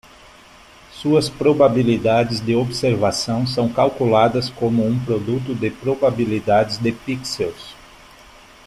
Suas probabilidades de observação são calculadas como um produto de probabilidades de pixels.